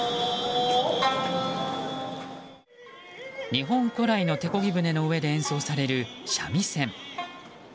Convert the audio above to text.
日本古来の手こぎ舟の上で演奏される三味線。